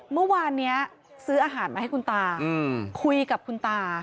เมื่อวานนี้ซื้ออาหารมาให้คุณตาคุยกับคุณตา